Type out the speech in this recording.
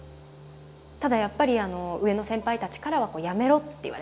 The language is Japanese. ただやっぱり上の先輩たちからはこうやめろって言われたんですよね。